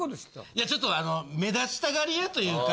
いやちょっと目立ちたがり屋というか。